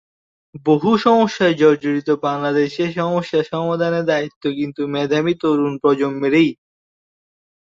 বহু সমস্যায় জর্জরিত বাংলাদেশে সমস্যা সমাধানের দায়িত্ব কিন্তু মেধাবী তরুণ প্রজন্মেরই।